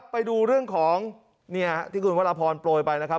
ไปดูเรื่องของที่คุณวรพรโปรยไปนะครับ